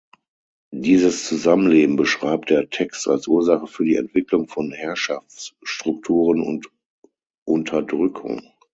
Dieses Zusammenleben beschreibt der Text als Ursache für die Entwicklung von Herrschaftsstrukturen und Unterdrückung.